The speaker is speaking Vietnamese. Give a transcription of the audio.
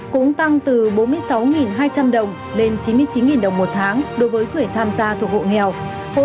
cũng tăng từ bốn mươi sáu hai trăm linh đồng lên chín mươi chín đồng một tháng đối với người tham gia thuộc hộ nghèo